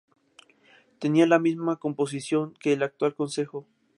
Tenía la misma composición que el actual Consejo.